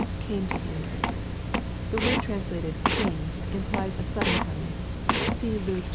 [Came to him.] The word translated "came" implies a sadden coming. See Luke zxi.